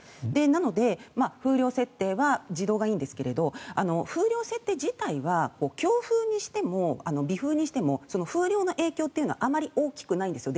なので、風量設定は自動がいいんですけど風量設定自体は強風にしても微風にしても風量の影響というのはあまり大きくないんですよ。